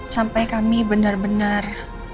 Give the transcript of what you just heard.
sampai kami bener bener